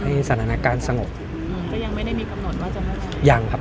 สถานการณ์สงบอืมก็ยังไม่ได้มีกำหนดว่าจะให้ยังครับ